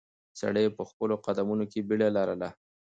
سړی په خپلو قدمونو کې بیړه لرله.